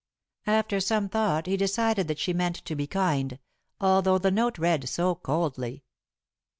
After some thought he decided that she meant to be kind, although the note read so coldly.